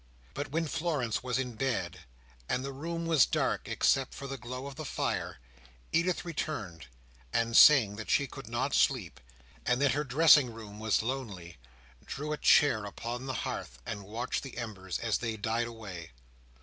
But when Florence was in bed, and the room was dark except for the glow of the fire, Edith returned, and saying that she could not sleep, and that her dressing room was lonely, drew a chair upon the hearth, and watched the embers as they died away.